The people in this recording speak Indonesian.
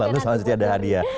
lalu selanjutnya ada hadiah